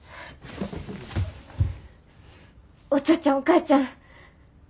お父ちゃんお母ちゃん